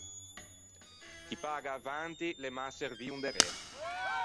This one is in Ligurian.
Chi paga avanti l’é mâ servio inderê.